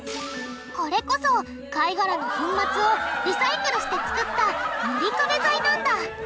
これこそ貝がらの粉末をリサイクルしてつくった塗り壁材なんだ。